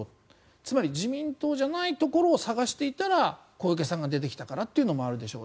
つまり自民党じゃないところを探していたら小池さんが出てきたからというのもあるでしょう。